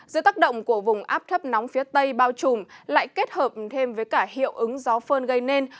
giữa tác động của vùng áp thấp nóng phía tây bao trùm lại kết hợp thêm với cả hiệu ứng gió phơn gây nên